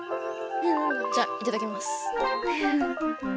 じゃいただきます。